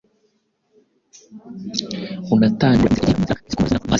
unatange nibura inzira ebyiri mu nzira z’ikomorazina mvazina